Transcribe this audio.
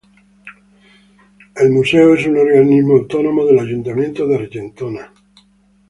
El museo es un organismo autónomo del Ayuntamiento de Argentona.